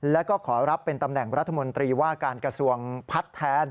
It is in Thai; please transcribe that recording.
แล้วก็ขอรับเป็นตำแหน่งรัฐมนตรีว่าการกระทรวงพัฒน์แทน